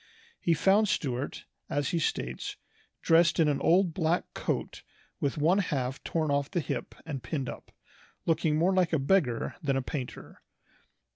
He found Stuart, as he states, "dressed in an old black coat with one half torn off the hip and pinned up, looking more like a beggar than a painter."